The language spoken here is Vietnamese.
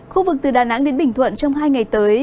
khu vực từ đà nẵng đến bình thuận trong hai ngày tới